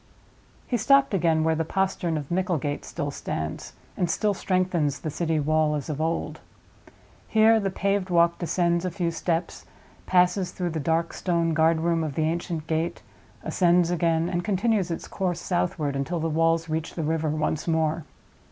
He stopped again where the postern of Micklegate still stands, and still strengthens the city wall as of old. Here the paved walk descends a few steps, passes through the dark stone guardroom of the ancient gate, ascends again, and continues its course southward until the walls reach the river once more.